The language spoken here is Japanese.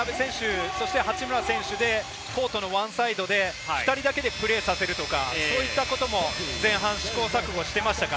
あとは渡邊選手、八村選手でコートのワンサイドで２人だけでプレーさせるとか、そういったことも前半、試行錯誤していました。